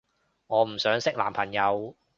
我唔想識男朋友